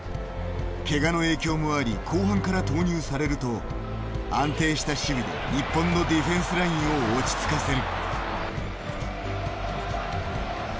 けがの影響もあり後半から投入されると安定した守備で日本のディフェンスラインを落ち着かせる。